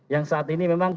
yang saat ini memang